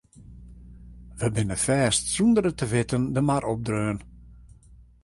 We binne fêst sûnder it te witten de mar opdreaun.